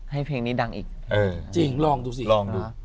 เพลงนี้ดังอีกจริงลองดูสิลองดู